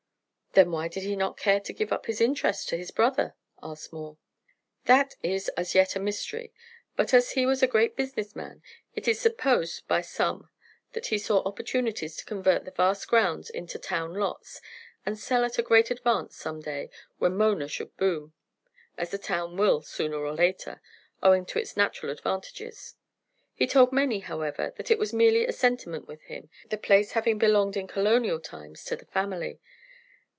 "Then why did he not care to give up his interest to his brother?" asked Moore. "That is as yet a mystery. But, as he was a great business man, it is supposed by some that he saw opportunities to convert the vast grounds into town lots, and sell at a great advance some day when Mona should boom, as the town will sooner or later, owing to its natural advantages. He told many, however, that it was merely a sentiment with him, the place having belonged in Colonial times to the family.